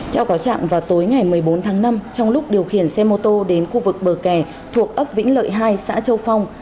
theo cáo trạng vào tối ngày một mươi bốn tháng năm trong lúc điều khiển xe mô tô đến khu vực bờ kè thuộc ấp vĩnh lợi hai xã châu phong